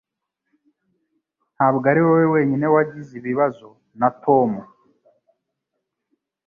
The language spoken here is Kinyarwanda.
Ntabwo ari wowe wenyine wagize ibibazo na Tom